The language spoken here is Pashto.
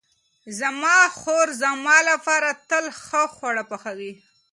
زما خور زما لپاره تل ښه خواړه پخوي.